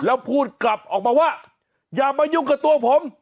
แล้วพูดกลับออกมาว่าอย่ามายุ่งกับตัวผม